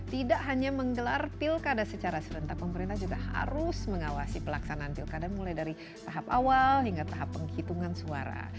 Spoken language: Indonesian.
tidak hanya menggelar pilkada secara serentak pemerintah juga harus mengawasi pelaksanaan pilkada mulai dari tahap awal hingga tahap penghitungan suara